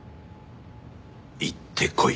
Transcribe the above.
行ってこい。